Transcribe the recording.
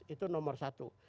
itu nomor satu